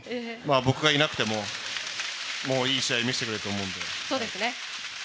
僕がいなくても、もういい試合見せてくれると思うので。